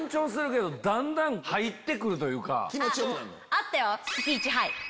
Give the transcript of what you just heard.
あったよ！